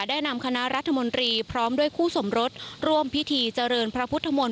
ได้นำคณะรัฐมนตรีพร้อมด้วยคู่สมรสร่วมพิธีเจริญพระพุทธมนต